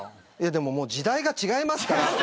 でも、もう時代が違いますから。